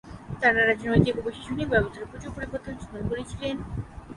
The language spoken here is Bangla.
তাঁরা রাজনৈতিক ও প্রশাসনিক ব্যবস্থায় প্রচুর পরিবর্তন সাধন করেছিলেন।